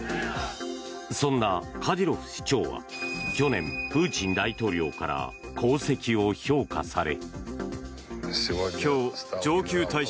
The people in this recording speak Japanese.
そんなカディロフ首長は去年、プーチン大統領から功績を評価され。